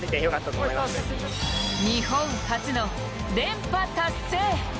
日本初の連覇達成。